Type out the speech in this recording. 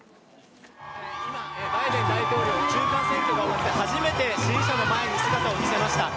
今、バイデン大統領、中間選挙後、初めて支持者の前に姿を見せました。